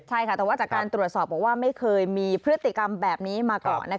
ใช่ค่ะแต่ว่าจากการตรวจสอบบอกว่าไม่เคยมีพฤติกรรมแบบนี้มาก่อน